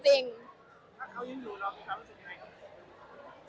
ถ้าเขายังอยู่เรามีความรู้สึกยังไงครับ